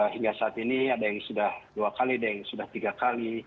hingga saat ini ada yang sudah dua kali ada yang sudah tiga kali